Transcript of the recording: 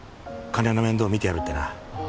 金の面倒見てやるってなあ